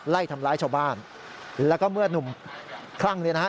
ไล่ทำร้ายชาวบ้านแล้วก็เมื่อนุ่มคลั่งเนี่ยนะฮะ